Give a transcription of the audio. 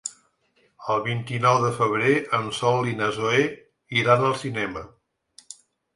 El vint-i-nou de febrer en Sol i na Zoè iran al cinema.